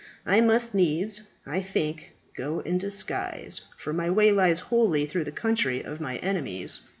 I must needs, I think, go in disguise, for my way lies wholly through the country of my enemies."